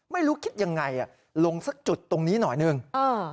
ไม่รู้คิดยังไงอ่ะลงสักจุดตรงนี้หน่อยหนึ่งเออ